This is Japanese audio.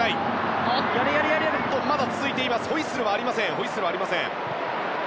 ホイッスルはありません。